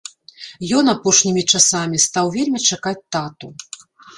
Ён апошнімі часамі стаў вельмі чакаць тату.